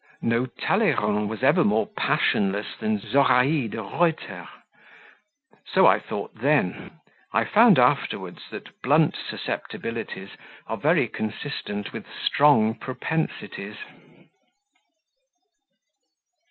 No Talleyrand was ever more passionless than Zoraide Reuter!" So I thought then; I found afterwards that blunt susceptibilities are very consistent with strong propensities.